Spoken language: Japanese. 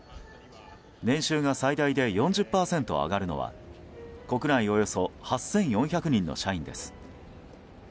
年収が最大で４０％上がるのは国内およそ８４００人の社員です。